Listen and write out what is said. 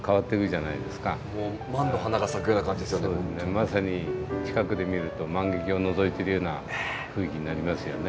まさに近くで見ると万華鏡をのぞいてるような雰囲気になりますよね。